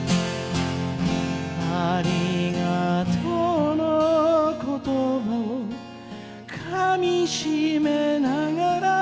「ありがとうの言葉をかみしめながら」